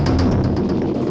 hanya aku diragukan jugadeep